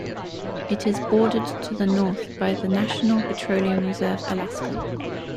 It is bordered to the north by the National Petroleum Reserve-Alaska.